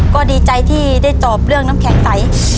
ก็ดีใจที่ได้ตอบเรื่องน้ำแข็งใส